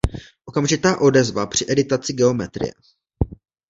Okamžitá odezva při editaci geometrie.